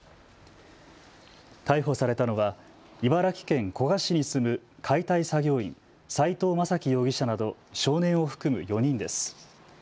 逮捕されたのは茨城県古河市に住む解体作業員、斉藤雅樹容疑者など少年を含む４人です。